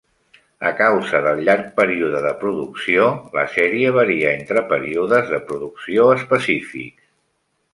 A causa del llarg període de producció, la sèrie varia entre períodes de producció específics.